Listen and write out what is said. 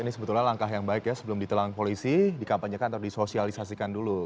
ini sebetulnya langkah yang baik ya sebelum ditelang polisi dikampanyekan atau disosialisasikan dulu